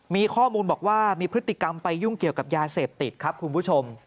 มีข้อมูลบอกว่ามีพฤติกรรมไปยุ่งเกี่ยวกับยาเสพติดครับคุณผู้ชม